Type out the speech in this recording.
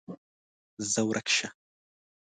ځه ورک شه!